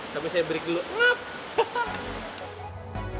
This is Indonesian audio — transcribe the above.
tapi saya beri geluk